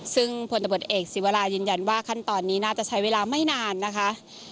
ซึ่งพลตำรวจเอกศิวรายืนยันว่าขั้นตอนนี้น่าจะใช้เวลาไม่นานนะคะ